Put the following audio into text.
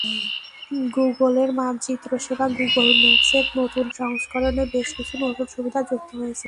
গুগলের মানচিত্রসেবা গুগল ম্যাপসের নতুন সংস্করণে বেশ কিছু নতুন সুবিধা যুক্ত হয়েছে।